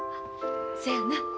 そやな。